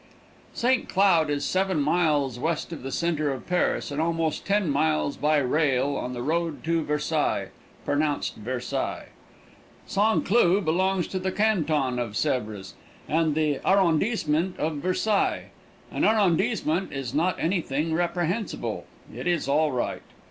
St. Cloud is seven miles west of the center of Paris and almost ten miles by rail on the road to Versailles pronounced Vairsi. St. Cloud belongs to the Canton of Sèvres and the arrondissement of Versailles. An arrondissement is not anything reprehensible. It is all right.